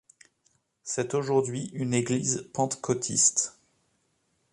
C'est aujourd'hui une église pentecôtiste.